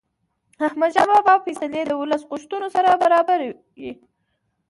احمدشاه بابا فیصلې د ولس د غوښتنو سره برابرې وې.